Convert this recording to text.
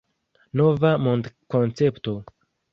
Nova mondkoncepto.